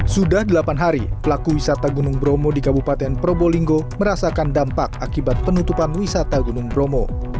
sudah delapan hari pelaku wisata gunung bromo di kabupaten probolinggo merasakan dampak akibat penutupan wisata gunung bromo